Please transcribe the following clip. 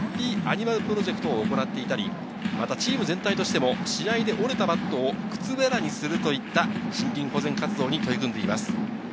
ＨＡＰＰＹＡＮＩＭＡＬプロジェクトを行っていたり、またチーム全体としても試合で折れたバットを靴ベラにするといった森林保全活動に取り組んでいます。